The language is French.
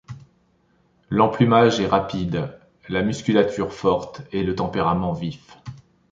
L'emplumage est rapide, la musculature forte et le tempérament vif.